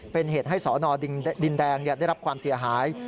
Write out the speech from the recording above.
เป็นเหตุให้สนดินแดงได้รับความเสียหาย